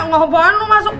ngapain lu masuk